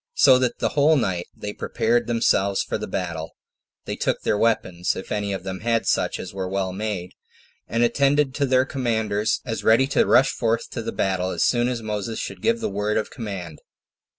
So that whole night they prepared themselves for the battle; they took their weapons, if any of them had such as were well made, and attended to their commanders as ready to rush forth to the battle as soon as Moses should give the word of command.